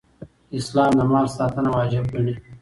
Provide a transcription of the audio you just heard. اسلام د مال ساتنه واجب ګڼي